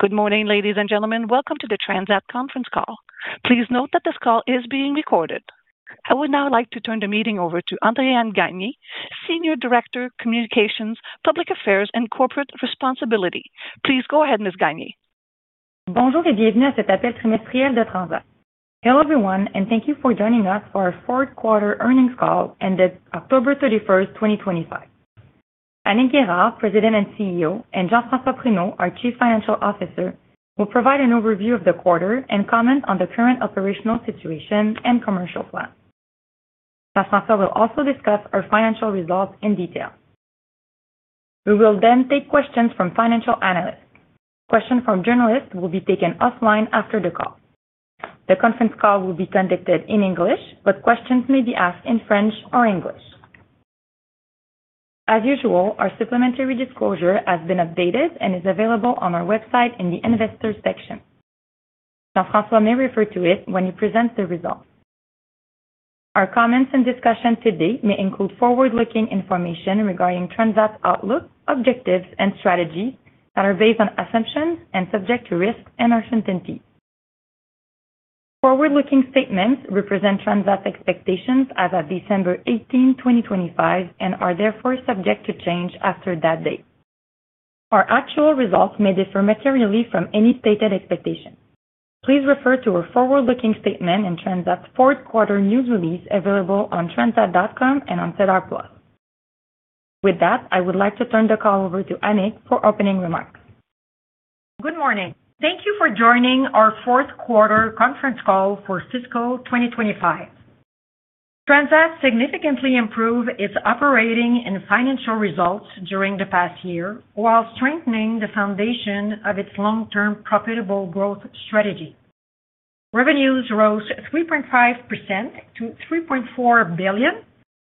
Good morning, ladies and gentlemen. Welcome to the Transat Conference Call. Please note that this call is being recorded. I would now like to turn the meeting over to Andréan Gagné, Senior Director, Communications, Public Affairs, and Corporate Responsibility. Please go ahead, Ms. Gagné. Bonjour et bienvenue à cet appel trimestriel de Transat. Hello everyone, and thank you for joining us for our fourth quarter earnings call ended October 31, 2025. Annick Guérard, President and CEO, and Jean-François Pruneau, our Chief Financial Officer, will provide an overview of the quarter and comment on the current operational situation and commercial plan. Jean-François will also discuss our financial results in detail. We will then take questions from financial analysts. Questions from journalists will be taken offline after the call. The conference call will be conducted in English, but questions may be asked in French or English. As usual, our supplementary disclosure has been updated and is available on our website in the investor section. Jean-François may refer to it when he presents the results. Our comments and discussion today may include forward-looking information regarding Transat outlook, objectives, and strategies that are based on assumptions and subject to risks and uncertainties. Forward-looking statements represent Transat's expectations as of December 18, 2025, and are therefore subject to change after that date. Our actual results may differ materially from any stated expectation. Please refer to our forward-looking statement and Transat fourth quarter news release available on transat.com and on SEDAR+. With that, I would like to turn the call over to Annick for opening remarks. Good morning. Thank you for joining our fourth quarter conference call for fiscal 2025. Transat significantly improved its operating and financial results during the past year while strengthening the foundation of its long-term profitable growth strategy. Revenues rose 3.5% to 3.4 billion,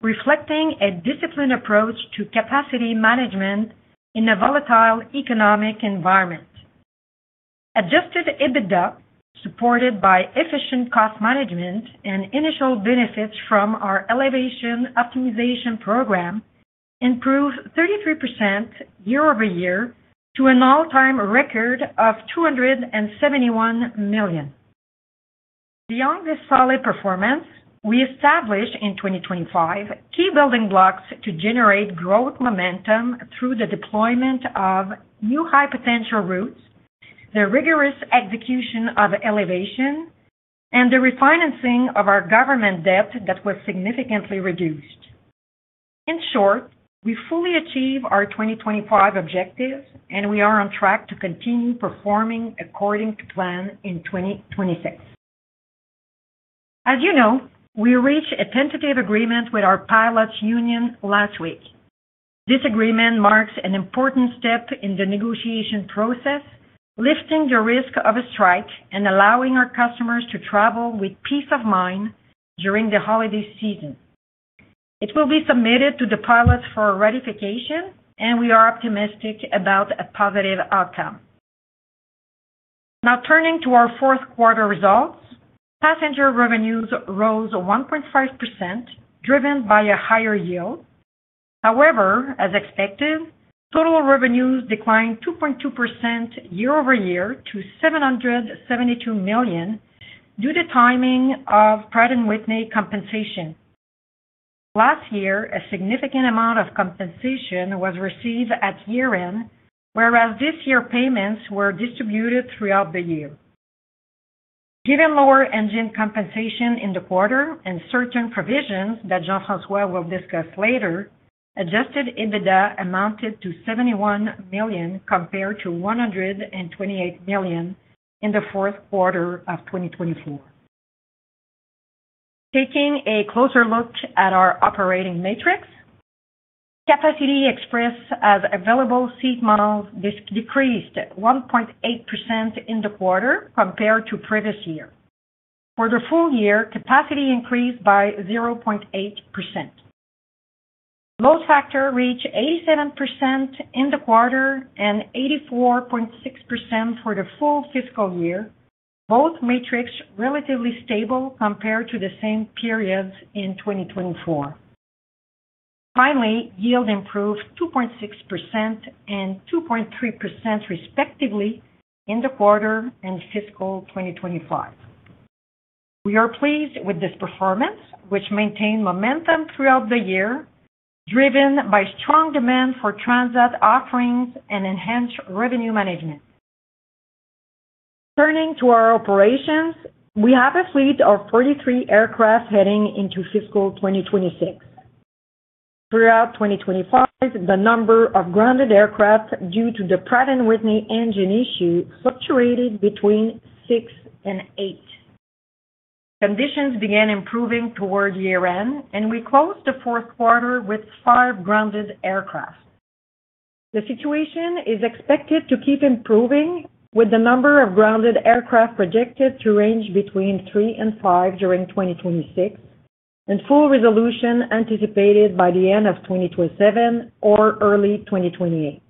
reflecting a disciplined approach to capacity management in a volatile economic environment. Adjusted EBITDA, supported by efficient cost management and initial benefits from our Elevation Program, improved 33% year-over-year to an all-time record of 271 million. Beyond this solid performance, we established in 2025 key building blocks to generate growth momentum through the deployment of new high-potential routes, the rigorous execution of elevation, and the refinancing of our Government debt that was significantly reduced. In short, we fully achieved our 2025 objectives, and we are on track to continue performing according to plan in 2026. As you know, we reached a tentative agreement with our pilot's union last week. This agreement marks an important step in the negotiation process, lifting the risk of a strike and allowing our customers to travel with peace of mind during the holiday season. It will be submitted to the pilots for ratification, and we are optimistic about a positive outcome. Now, turning to our fourth quarter results, passenger revenues rose 1.5%, driven by a higher yield. However, as expected, total revenues declined 2.2% year-over-year to 772 million due to the timing of Pratt & Whitney compensation. Last year, a significant amount of compensation was received at year-end, whereas this year payments were distributed throughout the year. Given lower engine compensation in the quarter and certain provisions that Jean-François will discuss later, Adjusted EBITDA amounted to 71 million compared to 128 million in the fourth quarter of 2024. Taking a closer look at our operating metrics, capacity expressed as Available Seat Miles decreased 1.8% in the quarter compared to the previous year. For the full year, capacity increased by 0.8%. Load factor reached 87% in the quarter and 84.6% for the full fiscal year, both metrics relatively stable compared to the same periods in 2024. Finally, yield improved 2.6% and 2.3% respectively in the quarter and fiscal 2025. We are pleased with this performance, which maintained momentum throughout the year, driven by strong demand for Transat offerings and enhanced revenue management. Turning to our operations, we have a fleet of 43 aircraft heading into fiscal 2026. Throughout 2025, the number of grounded aircraft due to the Pratt & Whitney engine issue fluctuated between six and eight. Conditions began improving toward year-end, and we closed the fourth quarter with five grounded aircraft. The situation is expected to keep improving, with the number of grounded aircraft projected to range between three and five during 2026, and full resolution anticipated by the end of 2027 or early 2028.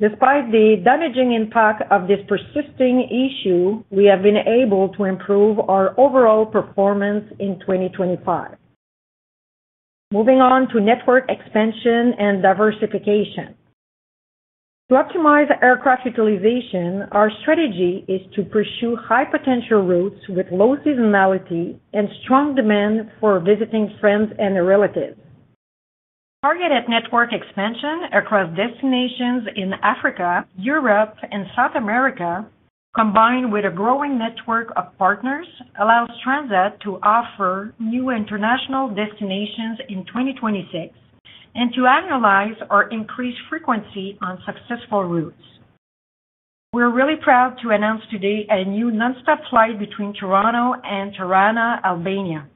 Despite the damaging impact of this persisting issue, we have been able to improve our overall performance in 2025. Moving on to network expansion and diversification. To optimize aircraft utilization, our strategy is to pursue high-potential routes with low seasonality and strong demand for visiting friends and relatives. Targeted network expansion across destinations in Africa, Europe, and South America, combined with a growing network of partners, allows Transat to offer new international destinations in 2026 and to annualize or increase frequency on successful routes. We're really proud to announce today a new non-stop flight between Toronto and Tirana, Albania.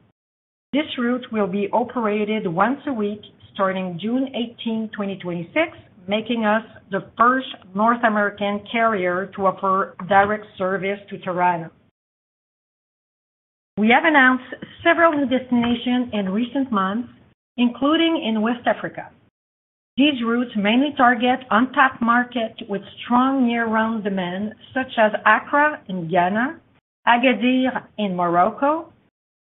This route will be operated once a week starting June 18, 2026, making us the first North American carrier to offer direct service to Tirana. We have announced several new destinations in recent months, including in West Africa. These routes mainly target untapped markets with strong year-round demand, such as Accra in Ghana, Agadir in Morocco,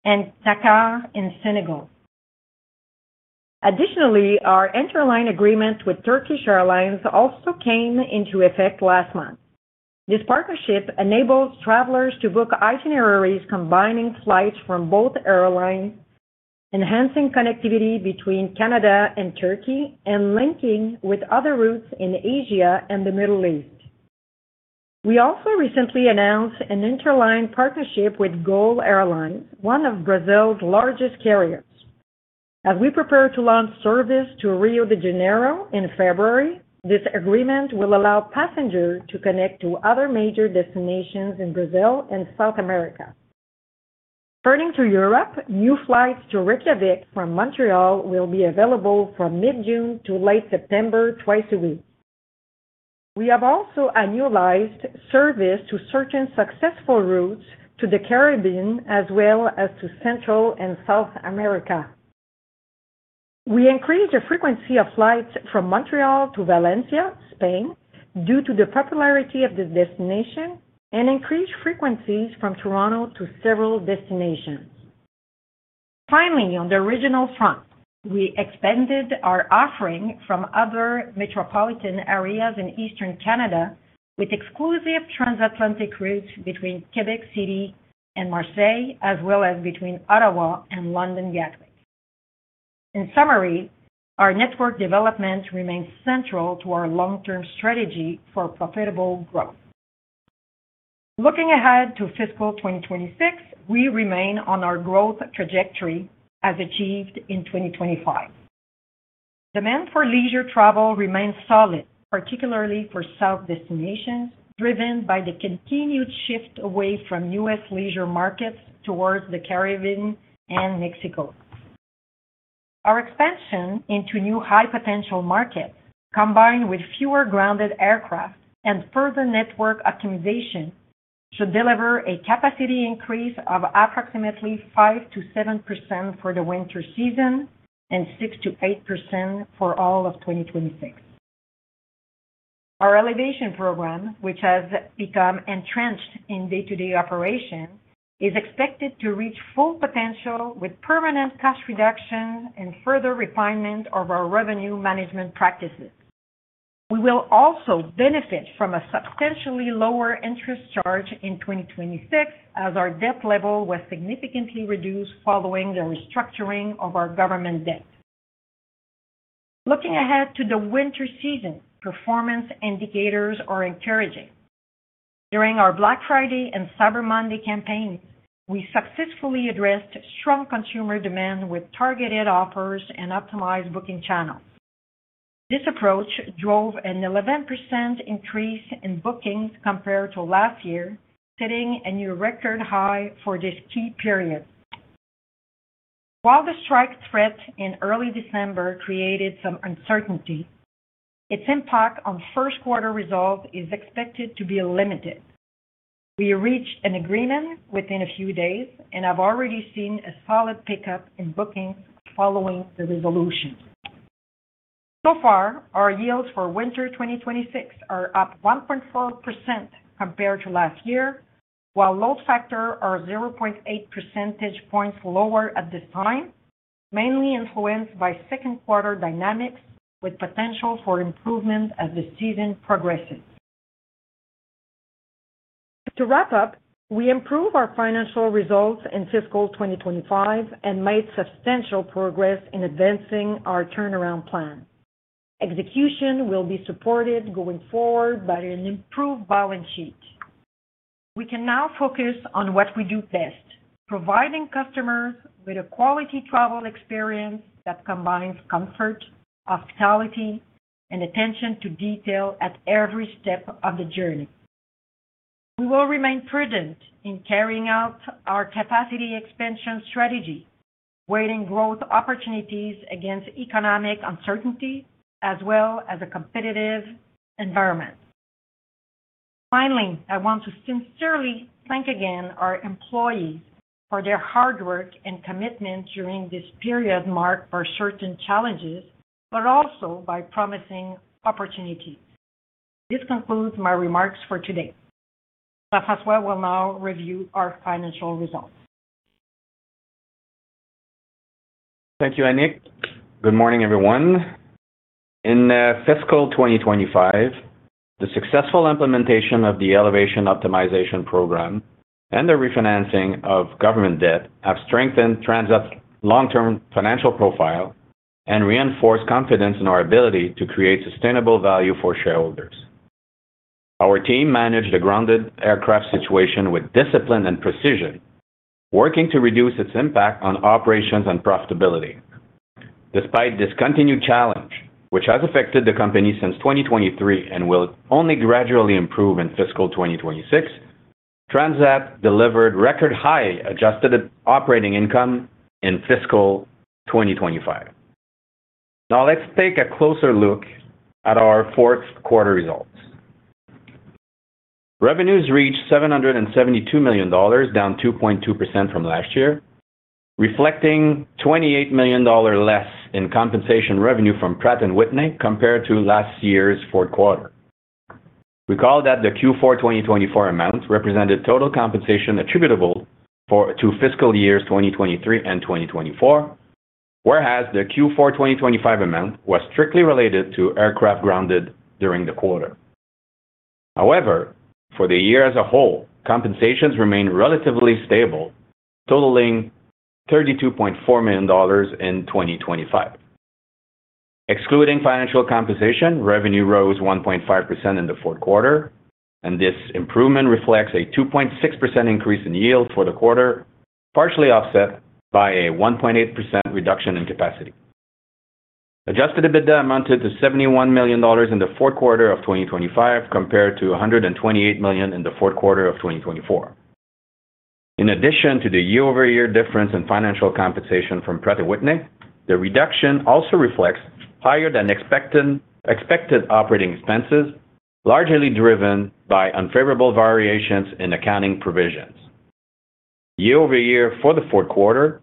and Dakar in Senegal. Additionally, our interline agreement with Turkish Airlines also came into effect last month. This partnership enables travelers to book itineraries combining flights from both airlines, enhancing connectivity between Canada and Turkey, and linking with other routes in Asia and the Middle East. We also recently announced an interline partnership with GOL Airlines, one of Brazil's largest carriers. As we prepare to launch service to Rio de Janeiro in February, this agreement will allow passengers to connect to other major destinations in Brazil and South America. Turning to Europe, new flights to Reykjavik from Montreal will be available from mid-June to late September, twice a week. We have also annualized service to certain successful routes to the Caribbean as well as to Central and South America. We increased the frequency of flights from Montreal to Valencia, Spain, due to the popularity of the destination, and increased frequencies from Toronto to several destinations. Finally, on the regional front, we expanded our offering from other metropolitan areas in Eastern Canada with exclusive transatlantic routes between Quebec City and Marseille, as well as between Ottawa and London Gatwick. In summary, our network development remains central to our long-term strategy for profitable growth. Looking ahead to fiscal 2026, we remain on our growth trajectory as achieved in 2025. Demand for leisure travel remains solid, particularly for South destinations, driven by the continued shift away from U.S. Leisure markets towards the Caribbean and Mexico. Our expansion into new high-potential markets, combined with fewer grounded aircraft and further network optimization, should deliver a capacity increase of approximately 5%-7% for the winter season and 6%-8% for all of 2026. Our Elevation Program, which has become entrenched in day-to-day operation, is expected to reach full potential with permanent cost reduction and further refinement of our revenue management practices. We will also benefit from a substantially lower interest charge in 2026, as our debt level was significantly reduced following the restructuring of our Government debt. Looking ahead to the winter season, performance indicators are encouraging. During our Black Friday and Cyber Monday campaigns, we successfully addressed strong consumer demand with targeted offers and optimized booking channels. This approach drove an 11% increase in bookings compared to last year, setting a new record high for this key period. While the strike threat in early December created some uncertainty, its impact on first-quarter results is expected to be limited. We reached an agreement within a few days and have already seen a solid pickup in bookings following the resolution. So far, our yields for winter 2026 are up 1.4% compared to last year, while load factor is 0.8 percentage points lower at this time, mainly influenced by second-quarter dynamics with potential for improvement as the season progresses. To wrap up, we improved our financial results in fiscal 2025 and made substantial progress in advancing our turnaround plan. Execution will be supported going forward by an improved balance sheet. We can now focus on what we do best: providing customers with a quality travel experience that combines comfort, hospitality, and attention to detail at every step of the journey. We will remain prudent in carrying out our capacity expansion strategy, weighing growth opportunities against economic uncertainty as well as a competitive environment. Finally, I want to sincerely thank again our employees for their hard work and commitment during this period marked by certain challenges, but also by promising opportunities. This concludes my remarks for today. Jean-François will now review our financial results. Thank you, Annick. Good morning, everyone. In fiscal 2025, the successful implementation of the Elevation optimization program and the refinancing of Government debt have strengthened Transat long-term financial profile and reinforced confidence in our ability to create sustainable value for shareholders. Our team managed a grounded aircraft situation with discipline and precision, working to reduce its impact on operations and profitability. Despite this continued challenge, which has affected the company since 2023 and will only gradually improve in fiscal 2026, Transat delivered record-high adjusted operating income in fiscal 2025. Now, let's take a closer look at our fourth quarter results. Revenues reached 772 million dollars, down 2.2% from last year, reflecting 28 million dollars less in compensation revenue from Pratt & Whitney compared to last year's fourth quarter. Recall that the Q4 2024 amount represented total compensation attributable to fiscal years 2023 and 2024, whereas the Q4 2025 amount was strictly related to aircraft grounded during the quarter. However, for the year as a whole, compensations remained relatively stable, totaling 32.4 million dollars in 2025. Excluding financial compensation, revenue rose 1.5% in the fourth quarter, and this improvement reflects a 2.6% increase in yields for the quarter, partially offset by a 1.8% reduction in capacity. Adjusted EBITDA amounted to 71 million dollars in the fourth quarter of 2025 compared to 128 million in the fourth quarter of 2024. In addition to the year-over-year difference in financial compensation from Pratt & Whitney, the reduction also reflects higher than expected operating expenses, largely driven by unfavorable variations in accounting provisions. Year-over-year for the fourth quarter,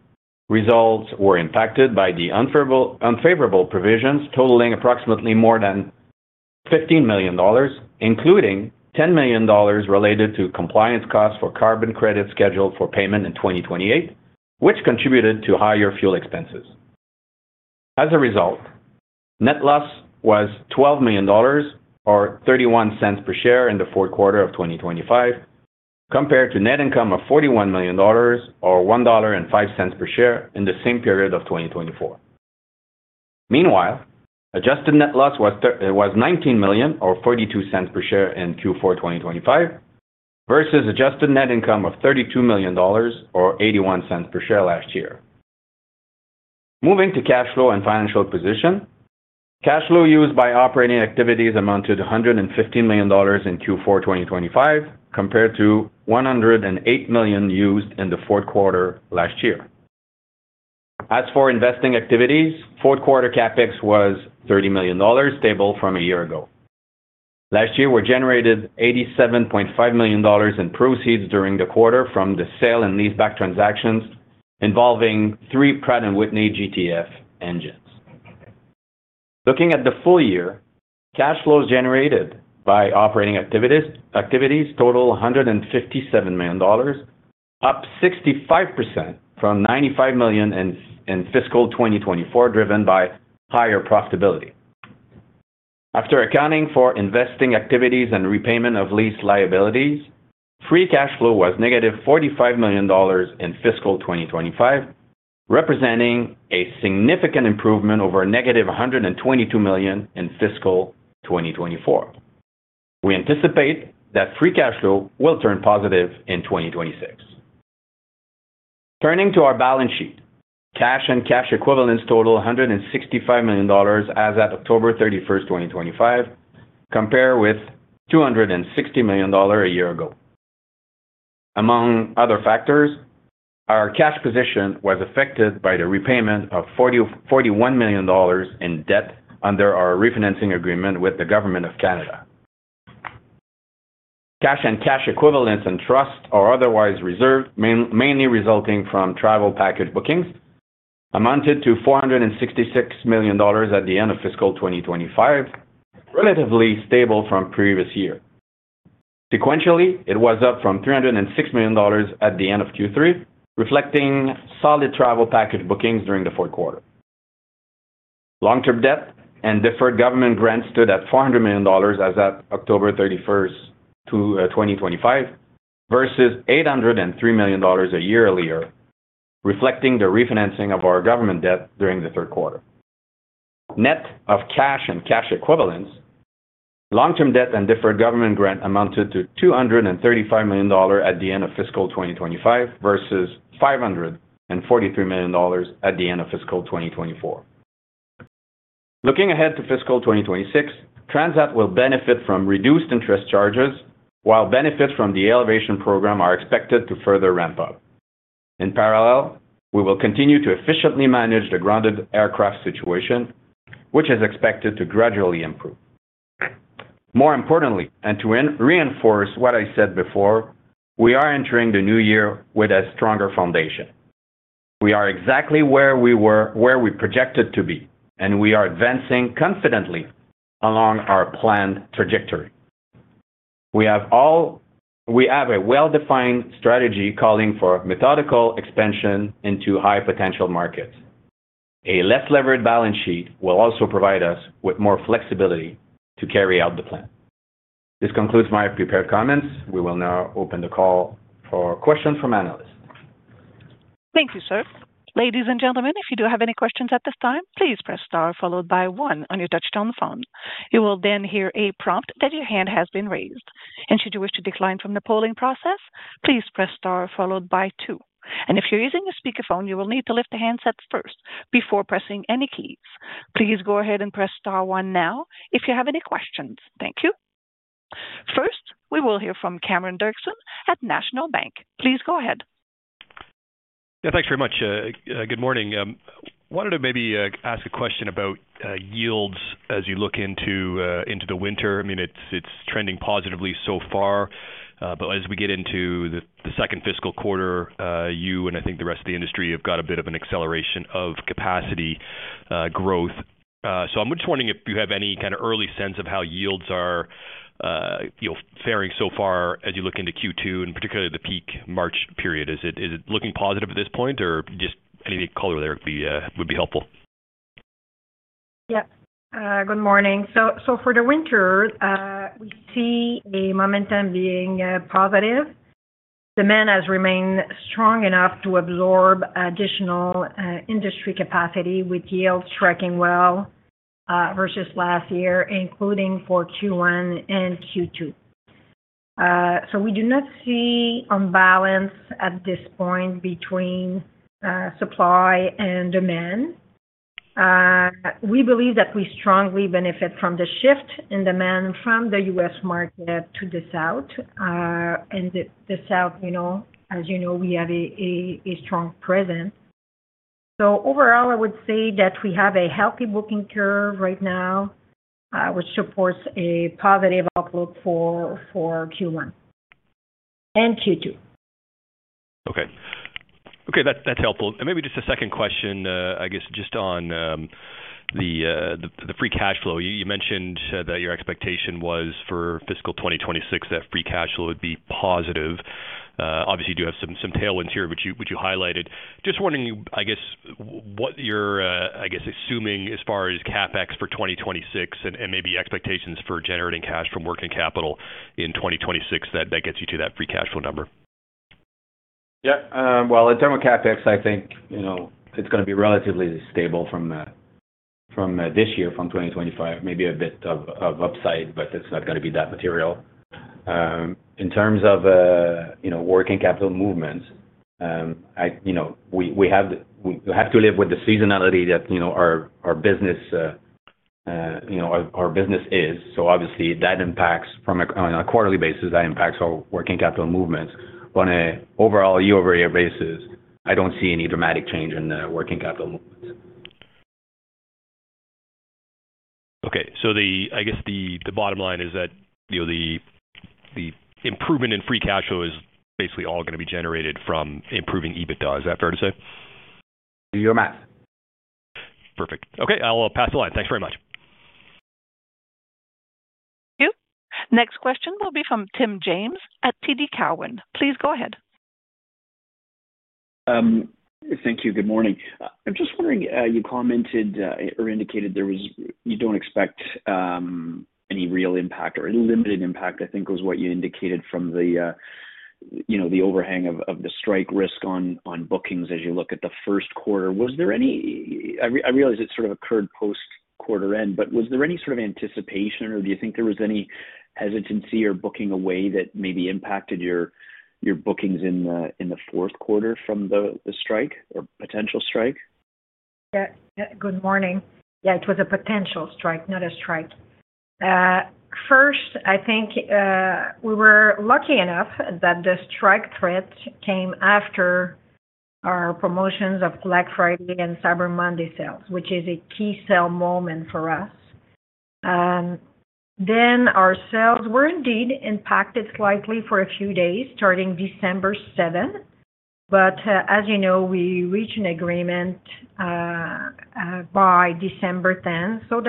results were impacted by the unfavorable provisions totaling approximately more than 15 million dollars, including 10 million dollars related to compliance costs for carbon credits scheduled for payment in 2028, which contributed to higher fuel expenses. As a result, net loss was 12 million dollars or 0.31 per share in the fourth quarter of 2025, compared to net income of 41 million dollars or 1.05 dollar per share in the same period of 2024. Meanwhile, adjusted net loss was 19 million or 0.42 per share in Q4 2025, versus adjusted net income of 32 million dollars or 0.81 per share last year. Moving to cash flow and financial position, cash flow used by operating activities amounted to 115 million dollars in Q4 2025, compared to 108 million used in the fourth quarter last year. As for investing activities, fourth quarter CapEx was 30 million dollars, stable from a year ago. Last year, we generated 87.5 million dollars in proceeds during the quarter from the sale and lease-back transactions involving three Pratt & Whitney GTF engines. Looking at the full year, cash flows generated by operating activities totaled 157 million dollars, up 65% from 95 million in fiscal 2024, driven by higher profitability. After accounting for investing activities and repayment of lease liabilities, free cash flow was negative 45 million dollars in fiscal 2025, representing a significant improvement over negative 122 million in fiscal 2024. We anticipate that free cash flow will turn positive in 2026. Turning to our balance sheet, cash and cash equivalents totaled 165 million dollars as at October 31, 2025, compared with 260 million dollars a year ago. Among other factors, our cash position was affected by the repayment of 41 million dollars in debt under our refinancing agreement with the Government of Canada. Cash and cash equivalents and trusts are otherwise reserved, mainly resulting from travel package bookings, amounted to 466 million dollars at the end of fiscal 2025, relatively stable from previous year. Sequentially, it was up from 306 million dollars at the end of Q3, reflecting solid travel package bookings during the fourth quarter. Long-term debt and deferred Government grants stood at 400 million dollars as at October 31, 2025, versus 803 million dollars a year earlier, reflecting the refinancing of our Government debt during the third quarter. Net of cash and cash equivalents, long-term debt and deferred Government grant amounted to 235 million dollars at the end of fiscal 2025, versus 543 million dollars at the end of fiscal 2024. Looking ahead to fiscal 2026, Transat will benefit from reduced interest charges, while benefits from the Elevation Program are expected to further ramp up. In parallel, we will continue to efficiently manage the grounded aircraft situation, which is expected to gradually improve. More importantly, and to reinforce what I said before, we are entering the new year with a stronger foundation. We are exactly where we were projected to be, and we are advancing confidently along our planned trajectory. We have a well-defined strategy calling for methodical expansion into high-potential markets. A less levered balance sheet will also provide us with more flexibility to carry out the plan. This concludes my prepared comments. We will now open the call for questions from analysts. Thank you, sir. Ladies and gentlemen, if you do have any questions at this time, please press star followed by one on your touch-tone phone. You will then hear a prompt that your hand has been raised. Should you wish to decline from the polling process, please press star followed by two. If you're using your speakerphone, you will need to lift the handset up first before pressing any keys. Please go ahead and press star one now if you have any questions. Thank you. First, we will hear from Cameron Doerksen at National Bank. Please go ahead. Yeah, thanks very much. Good morning. Wanted to maybe ask a question about yields as you look into the winter. I mean, it's trending positively so far, but as we get into the second fiscal quarter, you and I think the rest of the industry have got a bit of an acceleration of capacity growth. So I'm just wondering if you have any kind of early sense of how yields are faring so far as you look into Q2, and particularly the peak March period. Is it looking positive at this point, or just any color there would be helpful? Yep. Good morning. So for the winter, we see a momentum being positive. Demand has remained strong enough to absorb additional industry capacity with yields tracking well versus last year, including for Q1 and Q2. So we do not see imbalance at this point between supply and demand. We believe that we strongly benefit from the shift in demand from the U.S. market to the south. And the south, as you know, we have a strong presence. So overall, I would say that we have a healthy booking curve right now, which supports a positive outlook for Q1 and Q2. Okay. Okay, that's helpful. And maybe just a second question, I guess, just on the Free Cash Flow. You mentioned that your expectation was for fiscal 2026 that Free Cash Flow would be positive. Obviously, you do have some tailwinds here, which you highlighted. Just wondering, I guess, what you're assuming as far as CapEx for 2026 and maybe expectations for generating cash from working capital in 2026 that gets you to that Free Cash Flow number? Yeah. Well, in terms of CapEx, I think it's going to be relatively stable from this year, from 2025. Maybe a bit of upside, but it's not going to be that material. In terms of working capital movements, we have to live with the seasonality that our business is. So obviously, on a quarterly basis, that impacts our working capital movements. On an overall year-over-year basis, I don't see any dramatic change in working capital movements. Okay, so I guess the bottom line is that the improvement in Free Cash Flow is basically all going to be generated from improving EBITDA. Is that fair to say? Do your math. Perfect. Okay. I'll pass the line. Thanks very much. Thank you. Next question will be from Tim James at TD Cowen. Please go ahead. Thank you. Good morning. I'm just wondering, you commented or indicated you don't expect any real impact or any limited impact, I think was what you indicated from the overhang of the strike risk on bookings as you look at the first quarter. I realize it sort of occurred post-quarter end, but was there any sort of anticipation, or do you think there was any hesitancy or booking away that maybe impacted your bookings in the fourth quarter from the strike or potential strike? Good morning. Yeah, it was a potential strike, not a strike. First, I think we were lucky enough that the strike threat came after our promotions of Black Friday and Cyber Monday sales, which is a key sale moment for us. Then our sales were indeed impacted slightly for a few days starting December 7. But as you know, we reached an agreement by December 10. So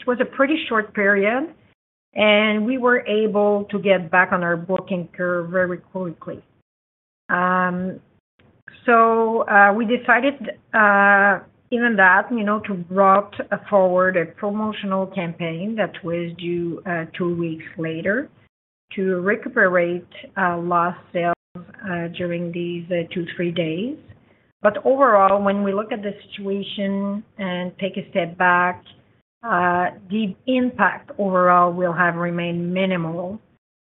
it was a pretty short period, and we were able to get back on our booking curve very quickly. So we decided even then to roll forward a promotional campaign that was due two weeks later to recuperate lost sales during these two, three days. But overall, when we look at the situation and take a step back, the impact overall will have remained minimal,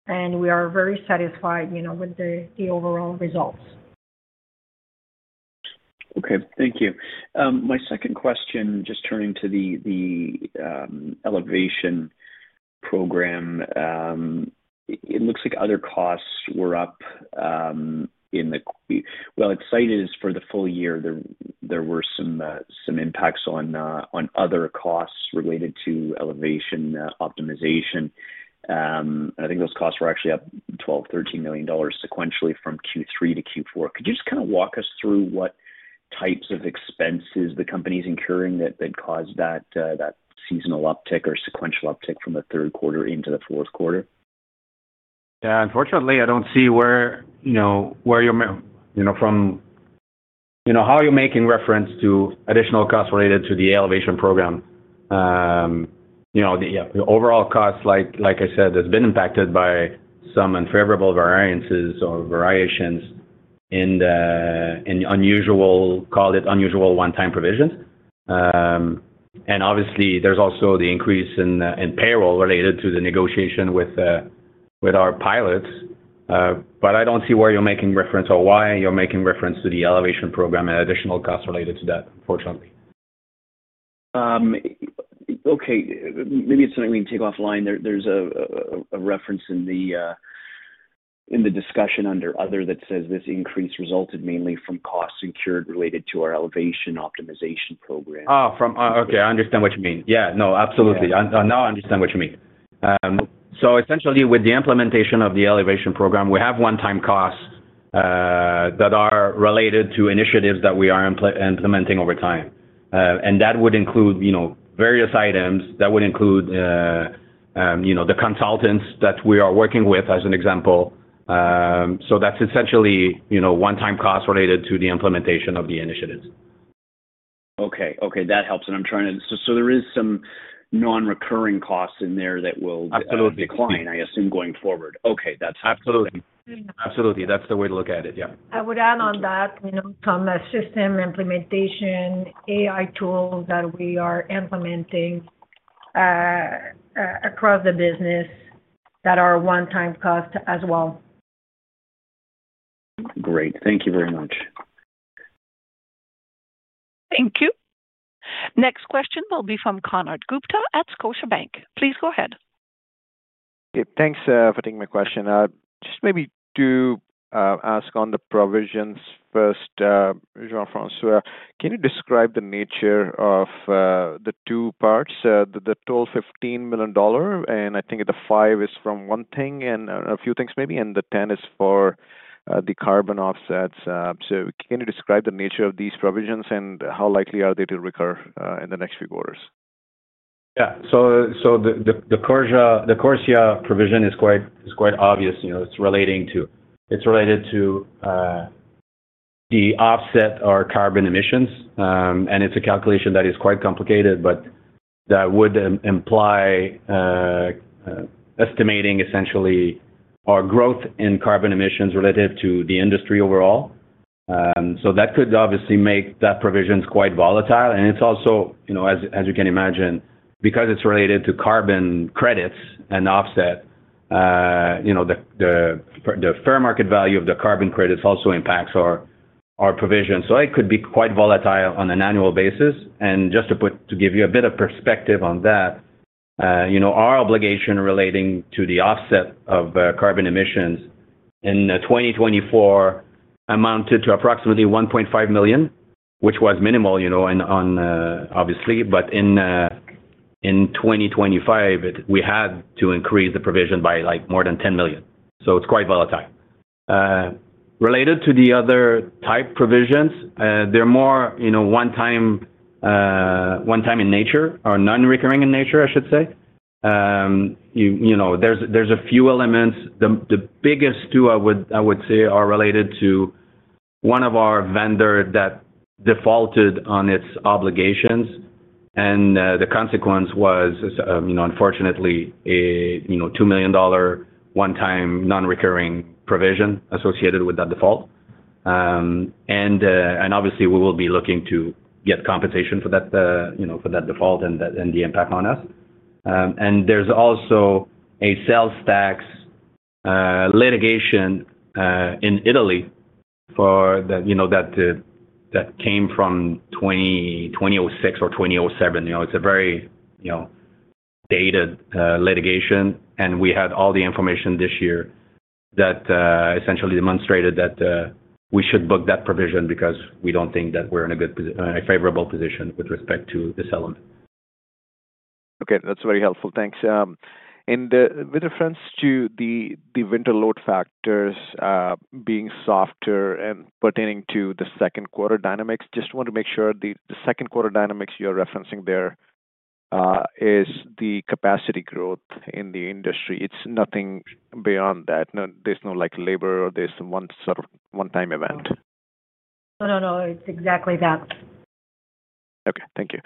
and we are very satisfied with the overall results. Okay. Thank you. My second question, just turning to the Elevation Program, it looks like other costs were up in Q4. Well, as cited for the full year, there were some impacts on other costs related to Elevation optimization. I think those costs were actually up 12-13 million dollars sequentially from Q3 to Q4. Could you just kind of walk us through what types of expenses the company is incurring that caused that seasonal uptick or sequential uptick from the third quarter into the fourth quarter? Yeah. Unfortunately, I don't see where you're coming from, how you're making reference to additional costs related to the Elevation Program. The overall costs, like I said, have been impacted by some unfavorable variances or variations and unusual, call it, unusual one-time provisions. And obviously, there's also the increase in payroll related to the negotiation with our pilots. But I don't see where you're making reference or why you're making reference to the Elevation Program and additional costs related to that, unfortunately. Okay. Maybe it's something we can take offline. There's a reference in the discussion under other that says this increase resulted mainly from costs incurred related to our Elevation Program. Oh, okay. I understand what you mean. Yeah. No, absolutely. Now I understand what you mean. So essentially, with the implementation of the Elevation Program, we have one-time costs that are related to initiatives that we are implementing over time. And that would include various items. That would include the consultants that we are working with, as an example. So that's essentially one-time costs related to the implementation of the initiatives. Okay. Okay. That helps, and I'm trying to so there is some non-recurring costs in there that will decline, I assume, going forward. Okay. That's helpful. Absolutely. Absolutely. That's the way to look at it. Yeah. I would add on that, from the system implementation, AI tools that we are implementing across the business that are one-time costs as well. Great. Thank you very much. Thank you. Next question will be from Konark Gupta at Scotiabank. Please go ahead. Okay. Thanks for taking my question. Just maybe to ask on the provisions first, Jean-François, can you describe the nature of the two parts? The total 15 million dollar, and I think the five is from one thing and a few things maybe, and the 10 is for the carbon offsets. So can you describe the nature of these provisions and how likely are they to recur in the next few quarters? Yeah. So the CORSIA provision is quite obvious. It's related to the offset or carbon emissions, and it's a calculation that is quite complicated, but that would imply estimating essentially our growth in carbon emissions related to the industry overall, so that could obviously make that provision quite volatile. And it's also, as you can imagine, because it's related to carbon credits and offset, the fair market value of the carbon credits also impacts our provision, so it could be quite volatile on an annual basis. And just to give you a bit of perspective on that, our obligation relating to the offset of carbon emissions in 2024 amounted to approximately 1.5 million, which was minimal obviously, but in 2025, we had to increase the provision by more than 10 million, so it's quite volatile. Related to the other type provisions, they're more one-time in nature or non-recurring in nature, I should say. There's a few elements. The biggest two, I would say, are related to one of our vendors that defaulted on its obligations. And the consequence was, unfortunately, a 2 million dollar one-time non-recurring provision associated with that default. And obviously, we will be looking to get compensation for that default and the impact on us. And there's also a sales tax litigation in Italy that came from 2006 or 2007. It's a very dated litigation. And we had all the information this year that essentially demonstrated that we should book that provision because we don't think that we're in a favorable position with respect to the settlement. Okay. That's very helpful. Thanks. And with reference to the winter load factors being softer and pertaining to the second quarter dynamics, just want to make sure the second quarter dynamics you're referencing there is the capacity growth in the industry? It's nothing beyond that. There's no labor or there's one-time event. No, no, no. It's exactly that. Okay. Thank you.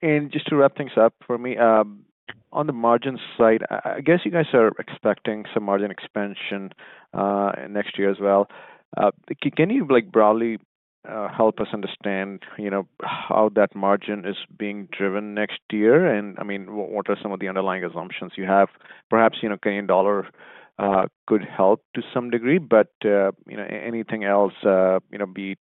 And just to wrap things up for me, on the margin side, I guess you guys are expecting some margin expansion next year as well. Can you broadly help us understand how that margin is being driven next year? And I mean, what are some of the underlying assumptions you have? Perhaps Canadian dollar could help to some degree, but anything else, be it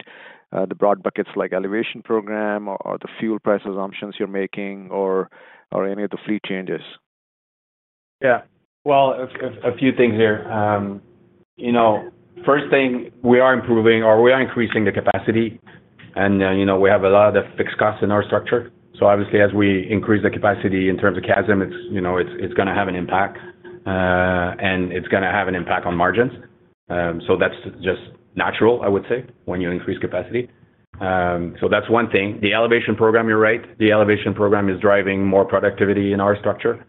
the broad buckets like elevation program or the fuel price assumptions you're making or any of the fleet changes? Yeah. Well, a few things here. First thing, we are improving or we are increasing the capacity. And we have a lot of fixed costs in our structure. So obviously, as we increase the capacity in terms of CASM, it's going to have an impact. And it's going to have an impact on margins. So that's just natural, I would say, when you increase capacity. So that's one thing. The Elevation Program, you're right. The Elevation Program is driving more productivity in our structure,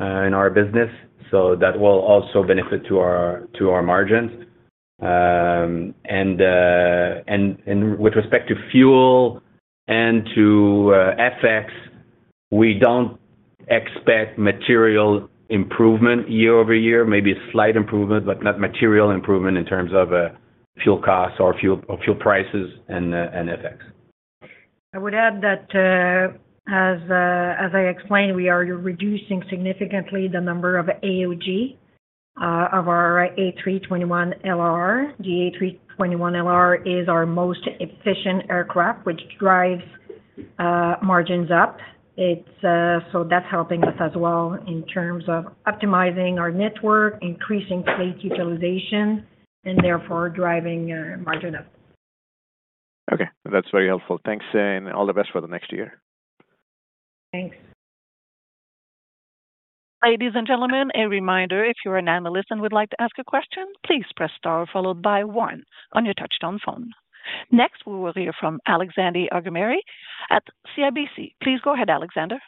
in our business. So that will also benefit to our margins. And with respect to fuel and to FX, we don't expect material improvement year over year, maybe a slight improvement, but not material improvement in terms of fuel costs or fuel prices and FX. I would add that, as I explained, we are reducing significantly the number of AOG of our A321LR. The A321LR is our most efficient aircraft, which drives margins up. So that's helping us as well in terms of optimizing our network, increasing fleet utilization, and therefore driving margin up. Okay. That's very helpful. Thanks. And all the best for the next year. Thanks. Ladies and gentlemen, a reminder, if you're an analyst and would like to ask a question, please press star followed by one on your touch-tone phone. Next, we will hear from Alexandre Aquemeri at CIBC. Please go ahead, Alexander.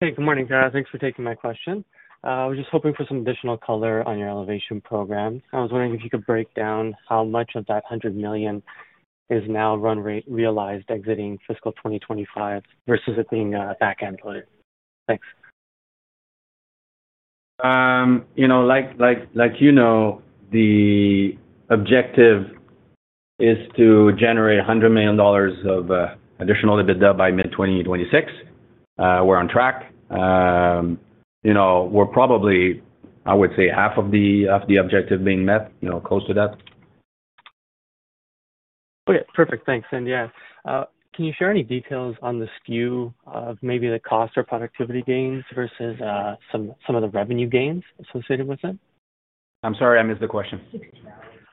Hey, good morning, Guérard. Thanks for taking my question. I was just hoping for some additional color on your elevation program. I was wondering if you could break down how much of that 100 million is now run rate realized exiting fiscal 2025 versus it being backend loaded. Thanks. Like you know, the objective is to generate 100 million dollars of additional EBITDA by mid-2026. We're on track. We're probably, I would say, half of the objective being met, close to that. Okay. Perfect. Thanks, and yeah, can you share any details on the SKU of maybe the cost or productivity gains versus some of the revenue gains associated with it? I'm sorry, I missed the question. Oh,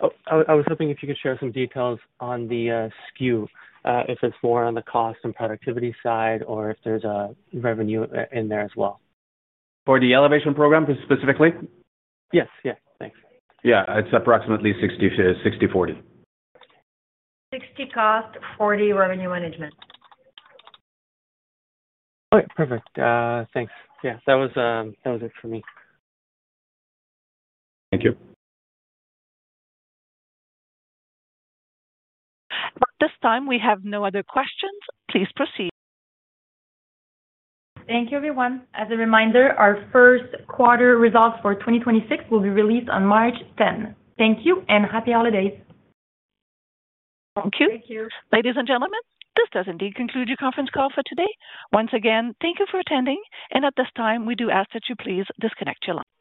I was hoping if you could share some details on the SKU, if it's more on the cost and productivity side or if there's a revenue in there as well? For the Elevation Program specifically? Yes. Yeah. Thanks. Yeah. It's approximately 60/40. 60% cost, 40% revenue management. All right. Perfect. Thanks. Yeah. That was it for me. Thank you. At this time, we have no other questions. Please proceed. Thank you, everyone. As a reminder, our first quarter results for 2026 will be released on March 10. Thank you and happy holidays. Thank you. Thank you. Ladies and gentlemen, this does indeed conclude your conference call for today. Once again, thank you for attending. And at this time, we do ask that you please disconnect your line.